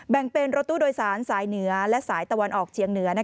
แบ่งเป็นรถตู้โดยสารสายเหนือและสายตะวันออกเชียงเหนือ